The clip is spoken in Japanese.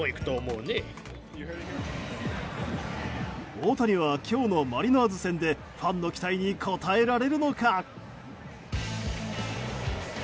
大谷は今日のマリナーズ戦でファンの期待に応えられるのか。